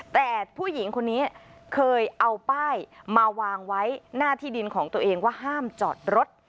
แต่ผู้หญิงคนนี้เคยเอาป้ายมาวางไว้หน้าที่ดินของตัวเองว่าห้ามจอดรถ